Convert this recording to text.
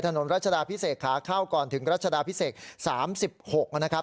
รัชดาพิเศษขาเข้าก่อนถึงรัชดาพิเศษ๓๖นะครับ